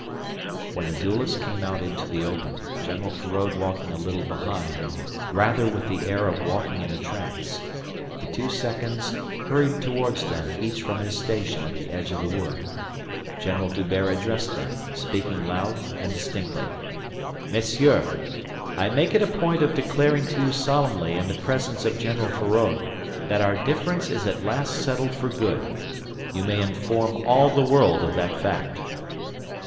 When the duellists came out into the open, General Feraud walking a little behind and rather with the air of walking in a trance, the two seconds hurried towards them each from his station at the edge of the wood. General D'Hubert addressed them, speaking loud and distinctly: "Messieurs! I make it a point of declaring to you solemnly in the presence of General Feraud that our difference is at last settled for good. You may inform all the world of that fact."